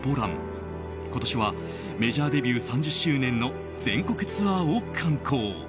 今年はメジャーデビュー３０周年の全国ツアーを敢行。